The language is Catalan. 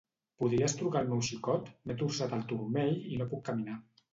Podries trucar al meu xicot; m'he torçat el turmell i no puc caminar.